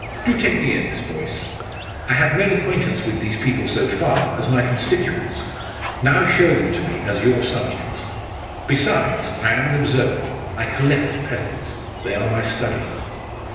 "Do take me in, Miss Boyce. I have made acquaintance with these people so far, as my constituents now show them to me as your subjects. Besides, I am an observer. I 'collect' peasants. They are my study."